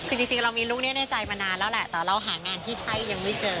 คือจริงเรามีลูกนี้ในใจมานานแล้วแหละแต่เราหางานที่ใช่ยังไม่เจอ